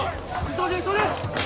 急げ急げ！